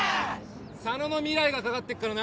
佐野の未来が懸かってっからな。